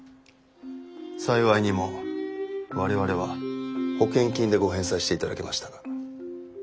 幸いにも我々は保険金でご返済して頂けましたが。